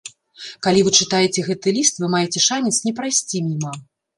Калі вы чытаеце гэты ліст, вы маеце шанец не прайсці міма.